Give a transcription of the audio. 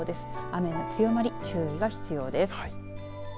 雨の強まり、注意が必要です。